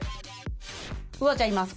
ウアちゃんいます。